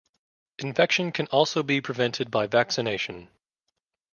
Infection can also be prevented by vaccination.